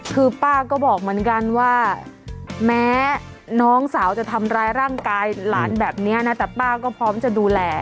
คือป้าก็บอกเหมือนกันว่าแม้น้องสาวจะทำร้ายร่างกายหลานแบบนี้นะแต่ป้าก็พร้อมจะดูแล